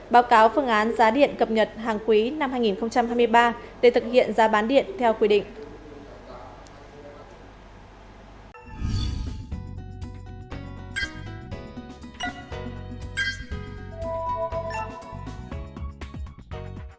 báo cáo phương án giá điện cập nhật hàng quý năm hai nghìn hai mươi ba để thực hiện giá bán điện theo quy định